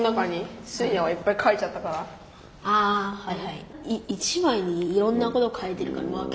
ああはいはい。